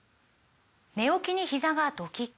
寝起きにひざがドキッ！